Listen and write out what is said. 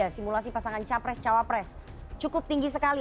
simulasi pasangan capres cawapres cukup tinggi sekali